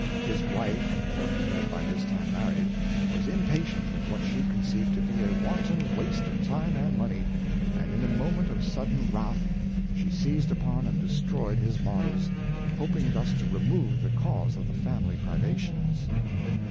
His wife, for he had by this time married, was impatient at what she conceived to be a wanton waste of time and money, and in a moment of sudden wrath she seized upon and destroyed his models, hoping thus to remove the cause of the family privations.